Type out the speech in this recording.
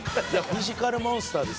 フィジカルモンスターですね。